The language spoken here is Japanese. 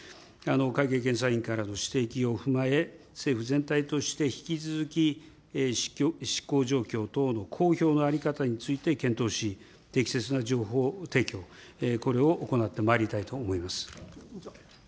会計検査院からの指摘を踏まえ、政府全体として引き続き、執行状況等の公表の在り方について検討し、適切な情報提供、これを行ってまいりたいと思います。